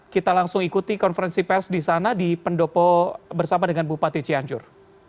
kita langsung ikuti konferensi pers di sana di pendopo bersama dengan bupati cianjur